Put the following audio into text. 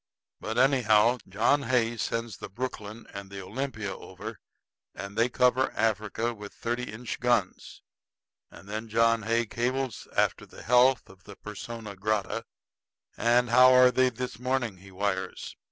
But anyhow, John Hay sends the Brooklyn and the Olympia over, and they cover Africa with thirty inch guns. And then Hay cables after the health of the persona grata. 'And how are they this morning?' he wires.